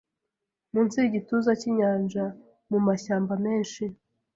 Munsi yigituza cyinyanja mumashyamba menshi